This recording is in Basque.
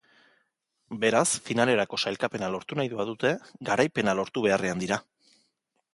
Beraz, finalerako sailkapena lortu nahi badute garaipena lortu beharrean dira.